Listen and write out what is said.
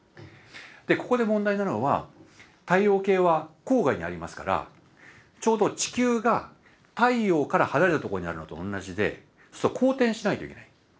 ここで問題なのは太陽系は郊外にありますからちょうど地球が太陽から離れた所にあるのと同じですると公転しないといけない。